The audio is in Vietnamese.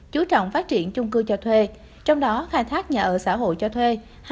chú trọng phát triển chung cư cho thuê trong đó khai thác nhà ở xã hội cho thuê